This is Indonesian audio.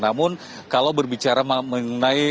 namun kalau berbicara mengenai